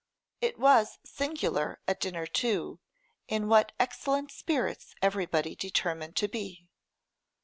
It was singular at dinner, too, in what excellent spirits everybody determined to be.